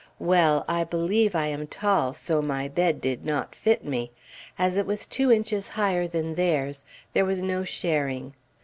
Well! I believe I am tall, so my bed did not fit me. As it was two inches higher than theirs, there was no sharing.